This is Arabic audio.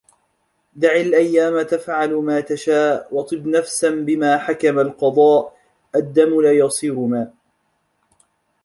دع الأيام تفعل ما تشاء وطب نفسا بما حكم القضاء الدم لا يصير ماء